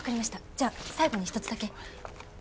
じゃあ最後に一つだけ。